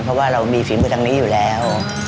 เพราะว่าเรามีฝีมือทางนี้อยู่แล้ว